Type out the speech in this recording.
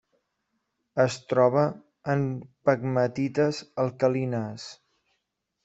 Es troba en pegmatites alcalines.